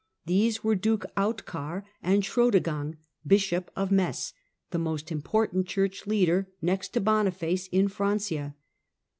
These were Duke utchar and Chrodegang, Bishop of Metz, the most im )rtant Church leader, next to Boniface, in Francia.